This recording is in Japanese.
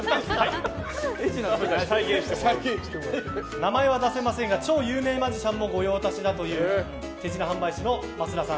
名前は出せませんが超有名マジシャンも御用達だという手品販売師の益田さん。